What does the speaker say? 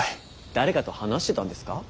誰かと話してたんですか？